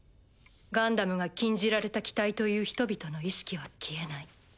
ガンダムが禁じられた機体という人々の意識は消えない。